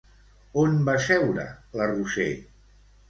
On va seure la Roser?